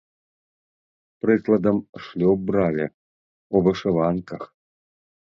Прыкладам, шлюб бралі ў вышыванках.